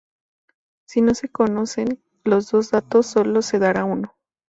Si no se conocen los dos datos, solo se dará uno.